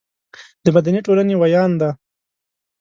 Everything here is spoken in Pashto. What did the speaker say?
د مدني ټولنې ویاند دی.